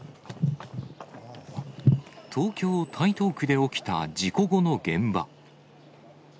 東京・台東区で起きた事故後の現場。